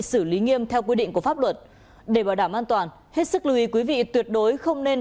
xử lý nghiêm theo quy định của pháp luật để bảo đảm an toàn hết sức lưu ý quý vị tuyệt đối không nên